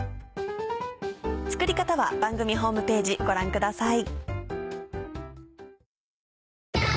作り方は番組ホームページご覧ください。